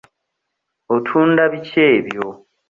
Otunda biki ebyo?